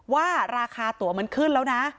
ว่าราคาตัวมันขึ้นแล้วนะ